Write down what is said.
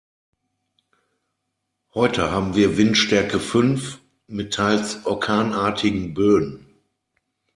Heute haben wir Windstärke fünf mit teils orkanartigen Böen.